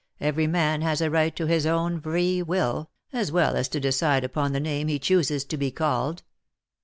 Every man has a right to his own free will, as well as to decide upon the name he chooses to be called."